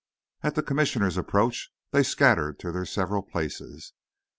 At the Commissioner's approach they scattered to their several places.